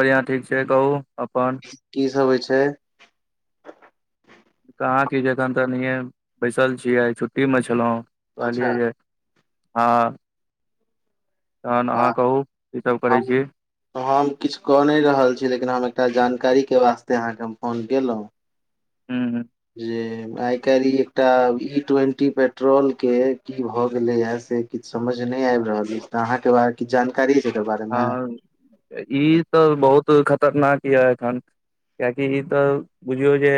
बढ़ियां ठीक छै कहू अपन की सब हय छै कहाँ की जखन तऽ नहिए बैसल छियै छुट्टीमे छलहुँ अच्छा कहलियै जे हँ तहन वाह अहाँ कहू कि सभ करै हम छी हम किछु कऽ नहि रहल छी लेकिन हम एकटा जानकारीके वास्ते अहाँकेँ हम फोन केलहुँ हू ह जे आइ काल्हि ई एकटा इ ट्वेंटी पेट्रोल के की भए गेले ये से किछु समझ नहि आबि रहल अछि तऽ अहाँके बार किछु जानकारी छै एकर बारे मे हँ ई तऽ बहुत खतरनाक यऽ एखन कियाकि ई तऽ बुझियौ जे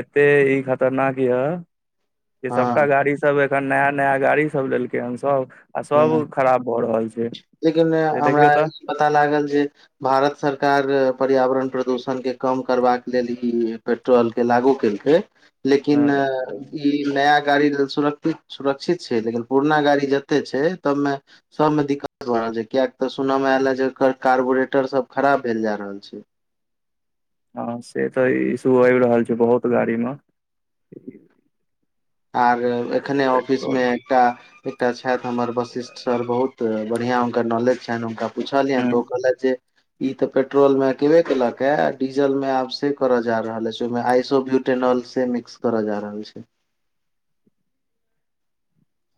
एते ई खतरनाक य जे सभटा हँ गाड़ी सब एखन नया नया गाड़ी सब लेलकै हम सभ आ ह सब खराब भऽ रहल छै लेकिन से हमरा देखियौ तऽ पता लागल जे भारत सरकार पर्यावरण प्रदूषणके कम करबाक लेल ई पेट्रोल के लागू केलकै लेकिन हँ ई नया गाड़ी लेल सुरक्षित सुरक्षित छै लेकिन पुरना गाड़ी छै तैमे सब मे दिक्कत भ रहल छै कियक तऽ सुनय मे आयले जे ओकर कारबोरेटर सब खराब भेल जा रहल छै हँ से तऽ इसू आब रहल छै बहुत गाड़ी मे आर एखने ऑफिस मे पेट्रोल एकटा एकटा छथि हमर वशिष्ठ सर बहुत तऽ बढ़िआँ हुनकर नॉलेज छनि हुनका पुछलियनि हूँ तऽ ओ कहलथि जे इ ते पेट्रोल में अकेबेकेलक ह डीजल में आब से कर जा रहले अछि में आइसो ब्यू टेनल से मिक्स कर जा रहल छै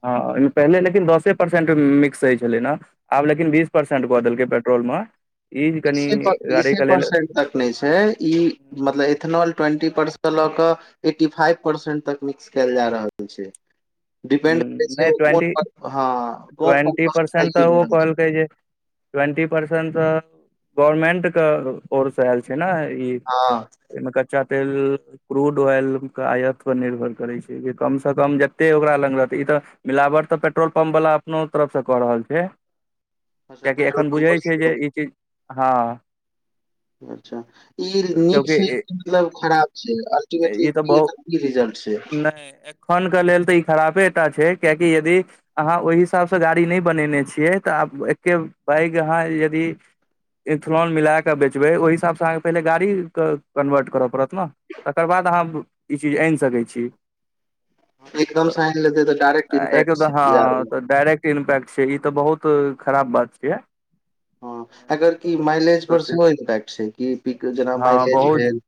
हँ ओहिमे पहिले लेकिन दसे परसेंट मिक्स होय छलै ने आब लेकिन बीस परसेंट कऽ देलकै पेट्रोल मे ई कनि गाड़ी के लेल नै छै ई मतलब इथेनॉल ट्वेंटी परसेंट लऽ क एट्टी फाइव परसेंट तक मिक्स कयल जा रहल छै डिपेंड हुँ, छै नहि ट्वेंटी ह प्र ट्वेंटी प परसेंट तऽ ओ कहलकै जे ट्वेंटी परसेंट गवर्मेंट के ओर स आयल छै ने ई हँ एमे क कच्चा तेल क्रूड ऑयल के आयत पर निर्भर करै छै कम से कम जते ओकरा ल ई त मिलावट त पेट्रोल पम्प वला अपनो तरफ से क रहल छै कियाकि पेट्रोल एखन बुझै छै पंप जे ई चीज हँ अच्छा ई नीक क्यूंकि छै मतलब खराब छै ई ई अल्टीमेटली की रिजल्ट छै खन के लेल त ई खरापे टा छै कियाकि यदि अहाँ ओहि हिसाबसँ गाड़ी नहि बनेने छियै तऽ आब एकबैग अहाँ यदि इथनॉल मिला कऽ बेचबै ओहि हिसाबसँ अहाँके पहिले गाड़ीके कन्वर्ट करय पड़त ने तकर बाद अहाँ ई चीज आनि सकै छी एकदम साइन लेतै तऽ डायरेक्ट एक इम्पैक्ट छै बजारमे हँ डायरेक्ट इम्पैक्ट छै ई तऽ बहुत खराब बात छियै हँ एकर कि माइलेज पर तऽ सेहो इम्पैक्ट छै कि पीक जेना हँ माइलेज बहुत भेल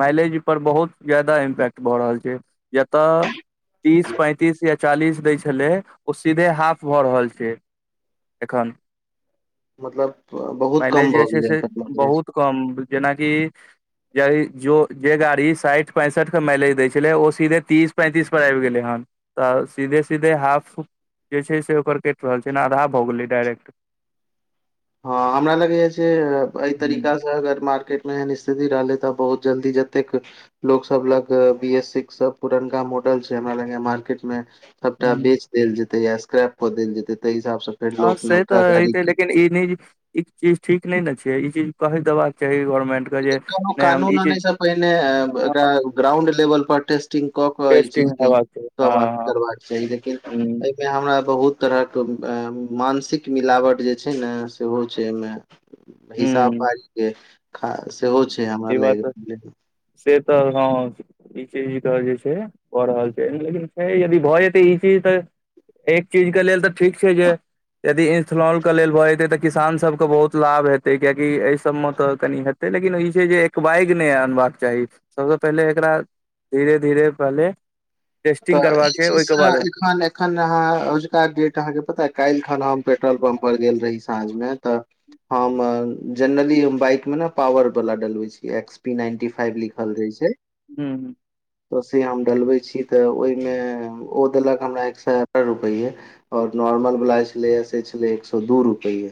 माइलेज पर बहुत ज्यादा इम्पैक्ट भऽ रहल छै जतऽ तीस पैंतीस या चालीस दै छलै ओ सीधे हाफ भऽ रहल छै एखन मतलब बहुत कम माइलेज जे भऽ छै गेलै हन से तब एभरेज कम जेनाकि यही जो जे गाड़ी साठि पैंसठ के मालेज दै छलै ओ सीधे तीस पैंतीस पर आबि गेलै हन तऽ सीधे सीधे हाफ जे छै से ओकर कटि रहल छै ने आधा भऽ गेलै डायरेक्ट [inaudible] हँ हमरा लगैये से एहि तरीका अगर मार्केट मे एहन स्थिति रहलै तऽ बहुत जल्दी जतेक लोग सब लग बी एस सिक्स सब पुरनका मॉडल छै हमरा लगैये मार्केट मे सबटा ह बेच देल जेतै या स्क्रैप कऽ देल जेते ताहि हिसाबसँ हँ से तऽ हते लेकिन ई नै ई चीज ठीक ने ने छै ई चीज कहि देबाक के चाही गवर्नमेंट के जे कोनो नहि हम ई कानून चीज आनसँ पहिने एकरा हँ ग्राउंड लेवलपर टेस्टिंग कऽ कऽ ई टेस्टिंग चीजके हेबाक चाही तकर बाद हँ करबाक चाही लेकिन हँ एहिमे हमरा बहुत तरहक मानसिक मिलावट जे छै ने सेहो छै एहिमे ह हिसाब ह बारी के ख सेहो छै हमरा ई बात लाग तऽ से तऽ हँ ई चीज के जे छै भऽ रहल छै लेकिन यदि भऽ जेतै ई चीज तऽ एक चीज के लेल तऽ ठीक छै जे यदि इथनॉल के लेल भऽ जेतै तऽ किसान सब के बहुत लाभ हेतै कियाकि एहि सब मे तऽ कनि हेत लेकिन ई छै जे एकबागि नहि अनबाक चाही सबसँ पहिले एकरा धीरे धीरे पहले टेस्टिंग करबाक चाही ओहिके बाद अखन अहाँ अजुका डेट अहाँके पता काल्हि खन हम पेट्रोल पम्प पर गेल रही साँझ मे तऽ हम जेनरली बाइक मे नऽ पावर वाला डलवै छी एक्स पी नाइन्टी फाइव लि खल रहै छै हूंम्म हूंम्म तऽ से हम डलबै छी तऽ ओहिमे ओ देलक हमरा एक सए सतर रुपैए आओर नॉर्मल वला छलै से छलै एक सौ दू रुपैये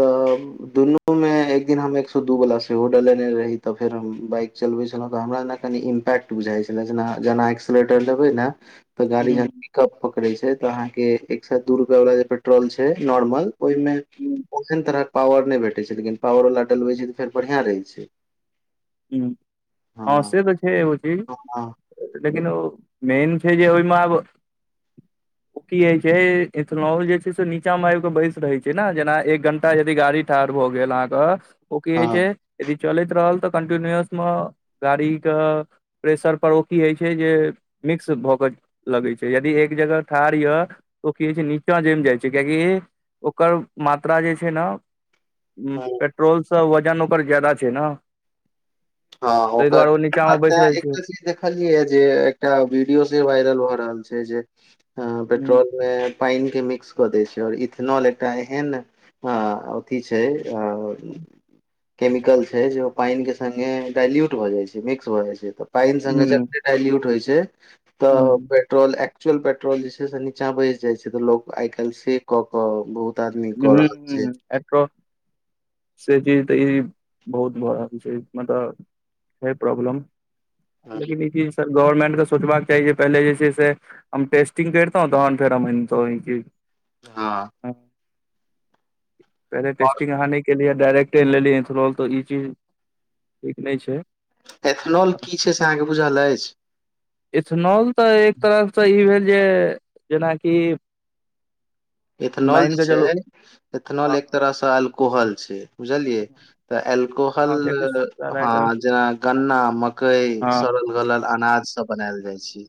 तब दुनू मे एकदिन हम एक सौ दू वाला सेहो डलेने रही तऽ फेर हम बाइक चलबे छलहुँं तऽ हमरा नऽ कनी इम पेक्ट बुझाइ छले जेना जेना एक्सलेटर लेबे ने तऽ गाड़ी हूं जेना पीकप पकड़ै छै तऽ अहाँके एक सौ दू रुपैया वाला जे पेट्रोल छै नॉर्मल ओहिमे हूं ओहन तरहक पावर नहि भेटैत छै लेकिन पावरवला डलबै छियै तऽ फेर बढ़ियाँ रहै छै हूंम्म हँ से तऽ छै एगो चीज हँ लेकिन ओ मेन छै जे ओहिमे आब ओ की होय छै इथेनल जे छै से नीचा मे आबि कऽ बैस रहे छै ने जेना एक घंटा यदि गाड़ी ठार भऽ गेल अहाँके ओ की हय हँ छै यदि चलैत रहल तऽ कन्टिन्यूअस मे गाड़ी कऽ प्रेशर पर ओ की होइत छै जे मिक्स भऽ कऽ लगै छै यदि एक जगह ठार यऽ तऽ की होइ छै नीचा जम जाइ छै कियाकि ओकर मात्रा जे छै ने हँ पेट्रोलसँ वजन ओकर ज्यादा छै नऽ हँ ओकर नीचा आ मे बैस रहै छै तें देखलियै जे एकटा वीडियो से वायरल भए रहल छै जे ऐं ह पेट्रोल मे पानि के मिक्स कऽ दै छै आओर इथेनॉल एकटा एहन ह अथि छैय अ केमिकल छैय जे पानि के संगे डायल्यूट भ जाइ छैय मिक्स भ जाइ छैय तऽ पानि से जते ह डायल्यूट होइ छैय तऽ फेर पेट्रोल एकचुअल पेट्रोल जे छैय से नीचा बैस जाय छैय त लोग आइ काल सेभ कयके बहुत आदमी कऽ रहल छै [unintelligible] से चीज तऽ ई बहुत भऽ रहल छै मलब ह प्रॉब्लम। हँ लेकिन [unintelligible] गवर्नमेंट के सोचबाक चाही जे पहिले जे छैय से हम टेस्टिंग करितो तहन फेर हम एनतो इ हँ पहिले और टेस्टिंग अहाँ नहि केलियै डाायरेक्टे लेलियै इन्थनॉल तऽ ई चीज ठीक नहि छैय। एथेनॉल की छैय से अहाँके बुझल अछि? इथेनॉल तऽ एक तरफसँ ई भेल जे जेनाकि इथेनॉल मानि जे कऽ चलू छैय इथेनॉल हँ एक तरहसँ एल्कोहल छैय बुझलियै तऽ ऐकोहल हँ कियाकि हँ सरायक जेना गन्ना मकई सड़ल गलल अनाज सब बनाल जाइ छैय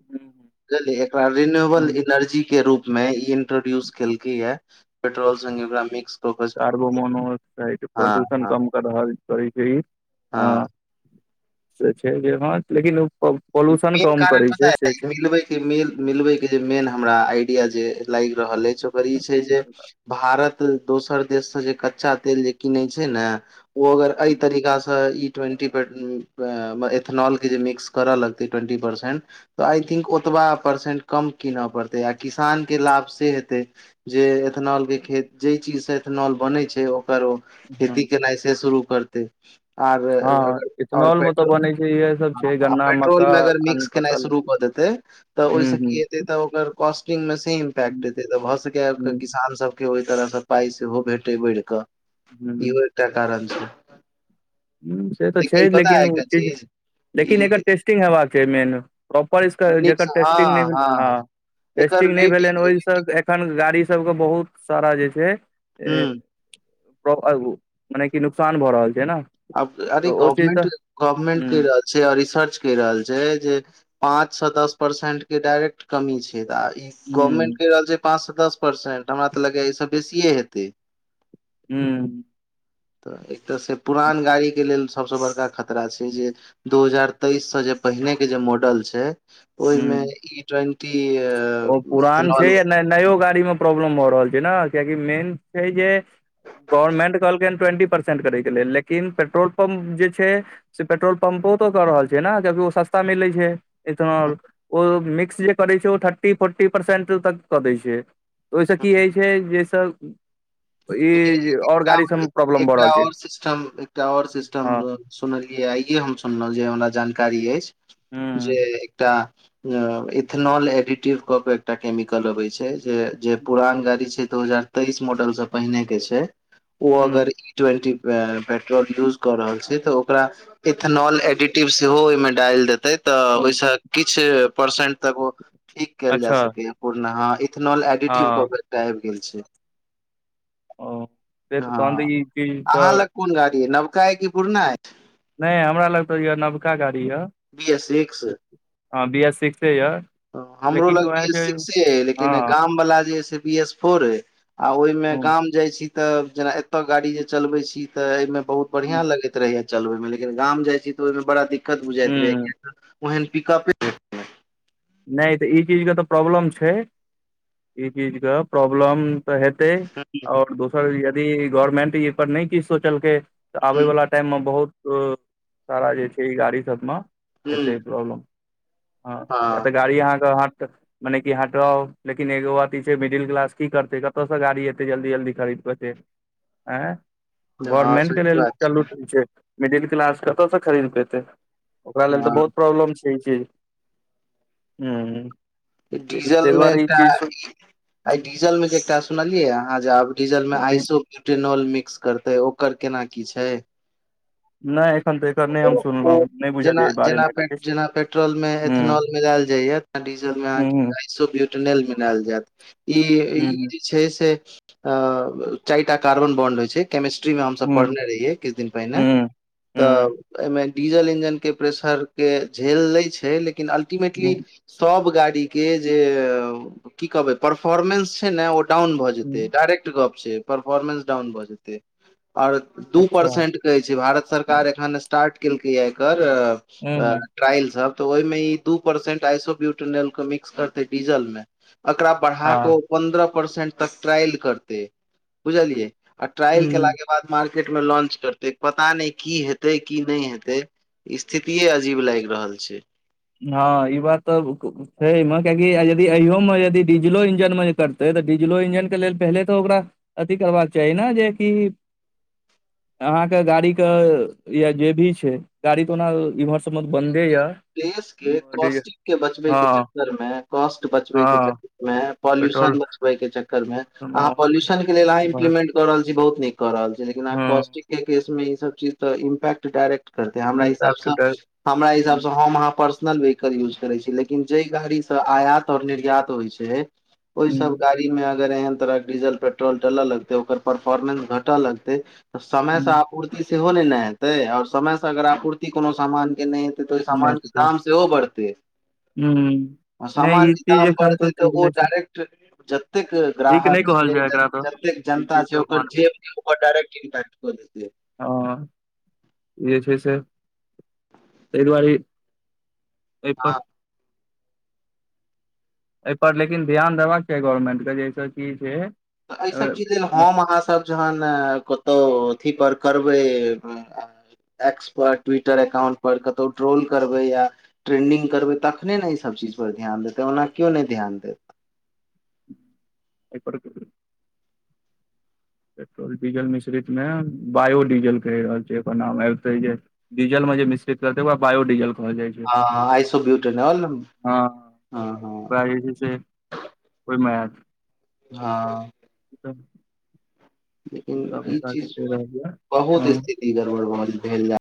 बुझलिय एकरा रिन्यूएबल एनर्जी के रूप मे इंट्रोड्यूस केलकै या पेट्रोल संगे ओकरा मिक्स कऽ के कार्बोमोनोक्साइड हँ प्रदूषण हँ कम कर रहल करै छैय। हँ से छैय ह लेकिन ओ पोल्यूशन कम करै छैय से छैय। मिलवे के जे मेन हमरा आईडिया जे लागि रहल अछि ओकर ई छैय जे भारत दोसर देश से जे कच्चा तेल जे कनै छैय ने ओ अगर एहि तरीका से ई ट्वेन्टी एथेनल के जे मिक्स करऽ लगतै ट्वेंटी परसेंट तऽ आइ थिंक ओतबा परसेंट कम कीनय पड़तै आ किसानके लाभ से हेतै। जे इथेनॉल के खेत जेहि चीज से इथेनॉल बनै छैय ओकर ओ खेती ह केनाइ से शुरू करतय आ हँ अगर ओर इथेनॉल पेट्रोल [unintelligible] सब छै आ गन्ना पेट्रोल मक्का मे अगर अन्य मिक्स केनाइ फसल शुरू कऽ देतै तऽ हूँ ओहिसँ की हूँ हेतै तऽ ओकर कॉस्टिंग मे सेम इम्पै्ट हेतै तऽ भऽ सकै हूँ किसानसभ के ओहि तरहसँ पाइ सेहो भेटय बढी कऽ हूँ इहो एकटा कारण छैय। ह से तऽ छैय लेकिन ओ चीज ई लेकिन एकर टेस्टिंग हेबाक चाही मेन प्रॉपर नीकसँ टेस्टिंग नहि हँ भेल हँ। एकर टेस्टिंग नहि भेलै हन रेटिंग ओहिसँ एखन गाड़ीसभके बहुत सारा जे छैय हूँ प् मने कि नुकसान भऽ रहल छैय न। आब अरे गवर्मेंट गवर्मेंट ह कर रहल छैय आ रिसर्च कर रहल छैय जे पाँंच सँ दस परसेंट के डायरेक्ट कमी छैय तऽ ई गवर्नमेंट ह कहि रहल छैय पाँचसँ दस परसेंट हमरा तऽ लगैए ईसे बेसिए हेतै। हू तऽ एक तऽ से पुरान गाड़ीके लेल सभसँ बड़का खतरा छैय जे दू हजार तेइस से जे पहिने के जे मॉडल छैय ह ओहिमे ह ई टवेंटी ओ पुरान छै एथिनोल या नयो गाड़ी मे प्रॉब्लम भऽ रहल छैय ने कियकि मेन छैय जे गवर्नमेंट कहलकै ट्वेंटी परसेंट करे के लेल लेकिन पेट्रोल पम्प जे छैय से पेट्रोल पम्पो तो कऽ रहल छैय ने कियकि ओ सस्ता मिलै छैय। इथिनोल ओ मिक्स जे करै छैय ओ थ थर्टी फोर्टी परसेंट तक कऽ दै छैय ओहिसँ की होइ छैय जाहिसँ ई एक आओर टा गाड़ी ऒर सबमे प्रॉब्लम एक भऽ टा रहल छै और सिस्टम एक टा और सिस्टम हँ सुनलियै आइे हम सुनलहुँ जे हमरा जानकारी अछि जे हूँ एकटा इथेनल एडिटिव क के एकटा केमिकल अबे छैय। जे जे पुरान गाड़ी छैय दू हजार तेइस मॉडल से पहिने के छैय ओ अगर हूँ ट्वेन्टी पेट्रोल यूज क रहल छैय तऽ ओकरा इथेनॉल एडिटिव सेहो ओहि मे डालि देतै तऽ हूँ ओहिस किछ परसेंट तक ओ ठीक कयल जा अच्छा सकै या पूर्णहा इथेनॉल एडिटिव कऽ हँ कऽ एकटा आबि गेल छै एक हँ [unintelligible] ई चीज अहाँ तऽ लग कोन गाड़ी अय नबका अय की पूरना हे नहि हमरा लग तऽ ये नवका गाड़ी यऽ बी एस सिक्स हँ बी एस सिक्से यऽ हमरो लेकिन लग उएह बी एस छै सिक्से अय लेकिन हँ गाम वाला जे अय से बी एस फोर अय आ ओहि मे हूँ गाम जाय छी तऽ जेना एतय गाड़ी जे चलबे छी ते एमे बहुत बढ़ियाँ लगैत रहैया चलबे मे लेकिन गाम जाइ छी तऽ ओहि मे बड़ा दिक्कत बुझाइत रहय हूँ यऽ ओहन पिकपे [unintelligible] नहि तऽ ई चीज के तऽ प्रॉब्लम छै ई चीज के प्रॉब्लम तऽ हेतै हँ [unintelligible] दोसर यदि गवर्मेंट ई पर नहि किछ सोचलकै तऽ आबे वाला टाइम मे बहुत सारा जे छै ई गाड़ी सब मे हुँ एतै प्रॉब्लम हँ या तऽ गाड़ी अहाँ के मने की हटाउ लेकिन एगो अथि छै मिडिल क्लास की करते कत से गाड़ी एते जल्दी जल्दी खरीद के आँय हँ गवर्मेंट सही के लेल बात चलू ठीक छै मिडिल क्लास कतऽ से खरीद पेतै ओकरा छै लेल तऽ बहुत हँ प्रॉब्लम छै ई चीज हूँ डीजल ताहि मे दुआरे ई एकटा चीज आ डीजल मे जे एकटा सुनलियै अहाँ जे आब डीजल मे आइसो बूटेनोल मिक्स करते ओकर केना की छै नहि एखन तऽ एकर नहि हम ओ सुनलहुँ नहि बुझलियै जेना एहि बारेमे एखन किछ जेना पेट्रोल मे हूँ इथेनॉल मिलायल जाइए या डीजल मे अहाँ हूँ के हूँ अइसो ब्युटेनाॅल मिलेल जायत ई हूँ जे छै से अ चारिटा कार्बन बन्ड होइ छै केमिस्ट्री मे हम सब हूँ पढ़ने रहियै किछ दिन पहिने हूँ तऽ हूँ एहि मे डीजल इंजन के प्रेशर के झेल लै छै लेकिन अल्टीमेटली सब गाड़ी के जे की कहबै परफोर्मेंस छै ने ओ डाउन भऽ जेतै हूँ डायरेक्ट गप छै परफॉर्मेंस डाउन भऽ जेतै आ ओर दू अच्छा हूँ परसेंट कहै छै भारत सरकार एखन स्टार्ट केलकै आ एकर हूँ ट्रईल सब तऽ ओहि मे ई दू परसेंट आइसो बुटयनल के मिक्स करते डीजल मे एकरा बढ़ा हँ कऽ पन्द्रह परसेंट तक ट्रायल करतै बुझलियै ट्रायल के हूँ लागे मार्केट मे लॉंच करते पता नहि की हेतै की नहि हेतै स्थितिये अजीब लागि रहल छै हँ ई बात तऽ छैमे कियकि यदि अयो मे यदि डीजलो इंजन मे जे करतै तऽ डीजलो इंजन के लेल पहिले तऽ ओकरा अथी करबाक चाही ने जेकि अहाँ के गाड़ी के या जे भी छै गाड़ी त ओना इम्हर सब मे बंन्दे ये देश के कॉस्टिक के बचवे के हँ चक्कर मे कॉस्ट बचबे के हँ चककर मे पॉल्यूशन पेट्रोल बचबे के चक्कर मे अहाँ पॉल्यूशन के लेल अहाँ इम्प्लीमेंट कर रहल छी बहुत नीक कऽ रहल छै लेकिन कॉस्टिक के केस मे ई सब चीज तऽ इम्पैक्ट डायरेक्ट करतै हमरा हिसाब सँ हमरा हिसाब सँ हम अहाँ पर्सनल वेहीकल यूज करै छी लेकिन जेहि गाड़ी से आयात और निर्यात होइ छै ओहि सब गाड़ी मे अगर एहन तरह डीजल पेट्रल डलऽ लगतै ओकर परफोर्मेंस घटऽ लगतै समय से पूर्ति सेहो नहि ने हेतै आओर समय से अगर आपूर्ति कोनो सामान के नहि हेतै तो सामान के दाम सेहो बढ़ते नहि ई सामानके चीज दाम एखन बढ़तै तऽ ठीक ओ नहि छै डायरेक्ट जतेक ठीक नहि ग्राहक कहल छै जाय एकरा तऽ जतेक ई जनता चीज छै तऽ ओकर मानबै जे ओकर डायरेक्ट इंटैक्ट कऽ देतै हँ जे छैय से तै दुआरे एहिपर हँ एहिपर लेकिन ध्यान देबाक चाही गवर्मेंट के जाहिसँ की छैय तऽऐ सब चीज ले हम अहाँ सब जहन कतहु अथी पर करबै एक्स पर ट्विटर एकाउंट पर कतौ ट्रोल करबै या ट्रेंडिंग करबै तखने ने ईसभ चीज पर ध्यान देतै ओना केओ नहि ध्यान देतै। [unintelligible] पेट्रोल डीजल मिश्रित मे बायोडीजल कहि रहल छैय एक नाम आबिते जे डिजल में जे मिश्रित रहतय ओकरा बायोडीजल कहल जाइ छै ह हँ आइसो ब्यूटेनाल हँ हँ ओकरा जे छैय से कोइ मे हँ [inaudible] लेकिन ई बैसा के चीज दे रहल बहुत ये स्थिति गड़बड़ भेल जा